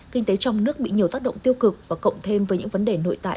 kinh tế trong nước bị nhiều tác động tiêu cực và cộng thêm với những vấn đề nội tại